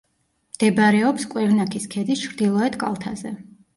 მდებარეობს კვერნაქის ქედის ჩრდილოეთ კალთაზე.